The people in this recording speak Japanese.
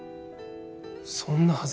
そんなはず。